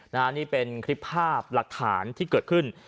นี่เป็นคลิปภาพหลักฐานที่เกิดขึ้น